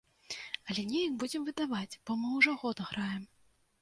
Але неяк будзем выдаваць, бо мы ўжо год граем.